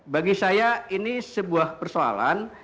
bagi saya ini sebuah persoalan